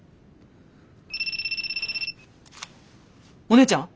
お姉ちゃん！？